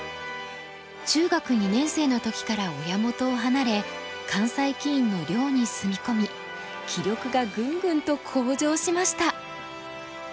中学２年生の時から親元を離れ関西棋院の寮に住み込み棋力がグングンと向上しました。